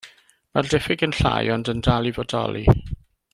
Mae'r diffyg yn llai ond yn dal i fodoli.